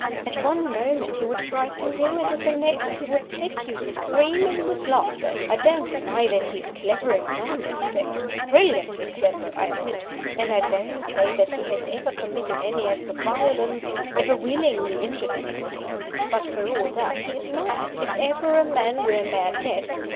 At one moment he would frighten you, and at the next he would set you screaming with laughter. I don't deny that he is clever in some respects brilliantly clever, I admit. And I don't say that he has ever committed any acts of violence, or ever willingly injured anybody. But, for all that, he is mad, if ever a man were mad yet.